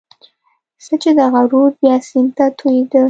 چې دغه رود بیا سیند ته توېېده.